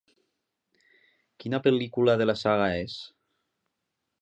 Quina pel·lícula de la saga és?